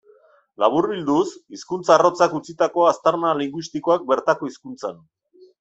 Laburbilduz, hizkuntza arrotzak utzitako aztarna linguistikoak bertako hizkuntzan.